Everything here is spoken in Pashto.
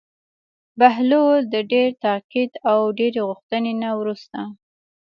د بهلول د ډېر تاکید او ډېرې غوښتنې نه وروسته.